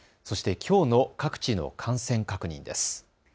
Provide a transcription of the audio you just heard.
そして、きょうの各地の感染確認です。